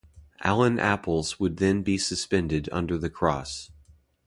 Allan apples would then be suspended under the cross.